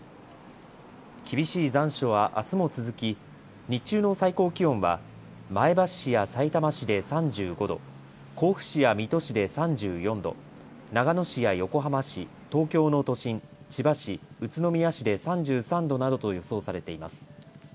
厳しい残暑はあすも続き日中の最高気温は前橋市やさいたま市で３５度、甲府市や水戸市で３４度、長野市や横浜市、東京の都心、千葉市、宇都宮市で３３度などと予想されています。